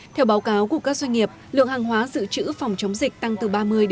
theo báo cáo của các doanh nghiệp lượng hàng hóa dự trữ phòng chống dịch tăng từ ba mươi ba mươi